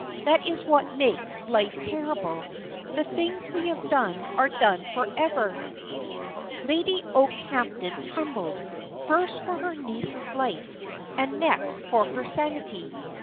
That is what makes life terrible. The things we have done are done for ever." Lady Okehampton trembled, first for her niece's life, and next for her sanity.